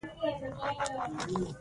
زما هڅې بې اغېزې هم نه وې.